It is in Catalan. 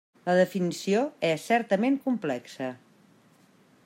La definició és certament complexa.